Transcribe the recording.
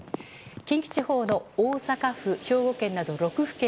近畿地方の大阪府、兵庫県など６府県